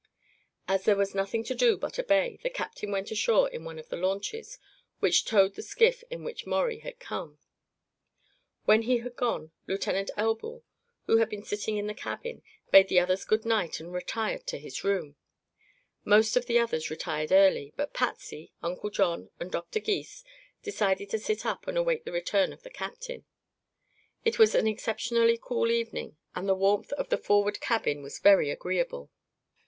As there was nothing to do but obey, the captain went ashore in one of the launches, which towed the skiff in which Maurie had come. When he had gone, Lieutenant Elbl, who had been sitting in the cabin, bade the others good night and retired to his room. Most of the others retired early, but Patsy, Uncle John and Doctor Gys decided to sit up and await the return of the captain. It was an exceptionally cool evening and the warmth of the forward cabin was very agreeable.